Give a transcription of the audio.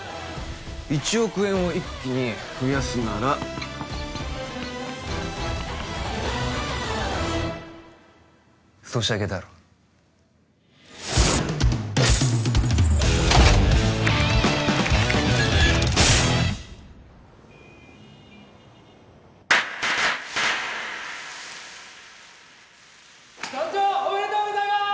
１億円を一気に増やすならソシャゲだろ社長おめでとうございます！